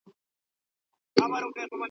زه هره ورځ کتابتون ته راځم!.